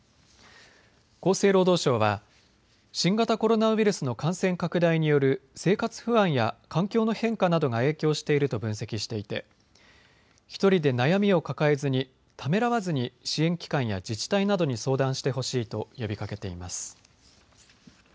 厚生労働省は新型コロナウイルスの感染拡大による生活不安や環境の変化などが影響していると分析していて１人で悩みを抱えずにためらわずに支援機関や自治体などに相談してほしいと呼びかけています。